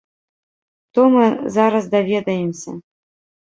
То мы зараз даведаемся.